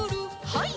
はい。